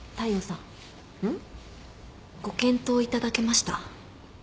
んっ？ご検討いただけました？